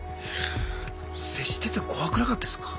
接してて怖くなかったですか？